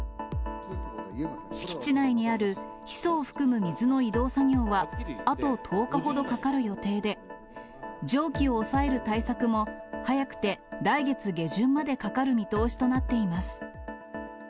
敷地内にあるヒ素を含む水の移動作業は、あと１０日ほどかかる予定で、蒸気を抑える対策も、早くて来月下旬までかかる見通しとなっています。